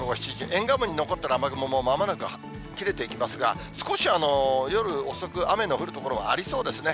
沿岸部に残ってる雨雲もまもなく切れていきますが、少し夜遅く、雨の降る所はありそうですね。